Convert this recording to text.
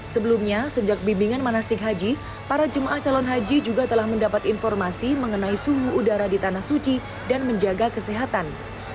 sebelumnya sejak bimbingan manasik haji para jemaah calon haji juga telah mendapat informasi mengenai suhu udara di tanah suci dan menjaga kesehatan